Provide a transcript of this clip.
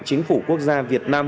chính phủ quốc gia việt nam